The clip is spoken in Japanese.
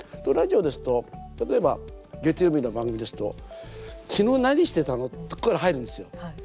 ラジオですと、例えば月曜日の番組ですと、きのう何してたの？ってとこから入るんですよ。